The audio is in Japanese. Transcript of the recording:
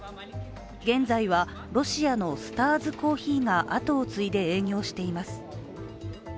現在はロシアのスターズコーヒーが跡を継いで営業しています。